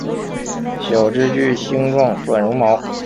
小枝具星状短柔毛。